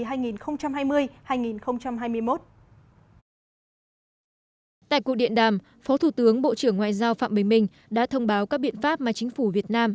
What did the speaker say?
tại cuộc điện đàm phó thủ tướng bộ trưởng ngoại giao phạm bình minh đã thông báo các biện pháp mà chính phủ việt nam